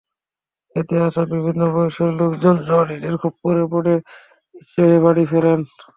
এতে আসা বিভিন্ন বয়সের লোকজন জুয়াড়িদের খপ্পরে পড়ে নিঃস্ব হয়ে বাড়ি ফেরেন।